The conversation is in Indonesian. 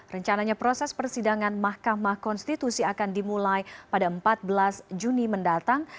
rencananya proses persidangan mahkamah konstitusi akan dimulai pada empat belas juni mendatang